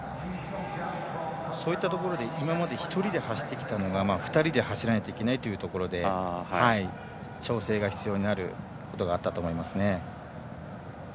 そういったところで今まで１人で走ってきたのが２人で走らなければいけないというところで調整が必要になることがあったと思います。